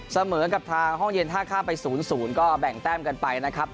เสมอกับทางห้องเย็นท่าข้ามไป๐๐ก็แบ่งแต้มกันไปนะครับ